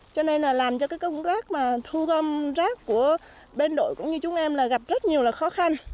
cho nên làm cho công tác thu gom rác của bên đội cũng như chúng em gặp rất nhiều khó khăn